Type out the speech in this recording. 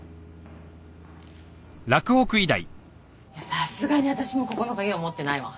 さすがに私もここの鍵は持ってないわ。